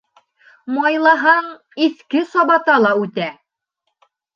Майлаһаң, иҫке сабата ла үтә.